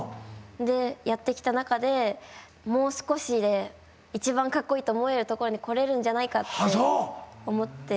でやってきた中でもう少しで一番かっこいいと思えるところにこれるんじゃないかって思って。